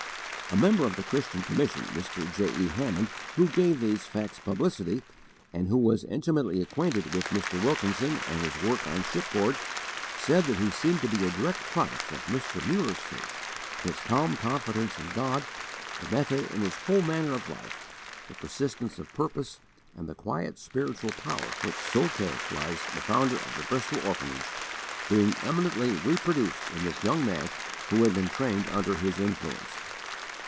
A member of the Christian Commission, Mr. J. E. Hammond, who gave these facts publicity, and who was intimately acquainted with Mr. Wilkinson and his work on shipboard, said that he seemed to be a direct "product of Mr. Muller's faith, his calm confidence in God, the method in his whole manner of life, the persistence of purpose, and the quiet spiritual power," which so characterized the founder of the Bristol orphanage, being eminently reproduced in this young man who had been trained under his influence.